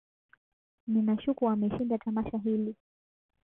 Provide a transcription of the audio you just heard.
Ninashuku ameshinda tamasha hili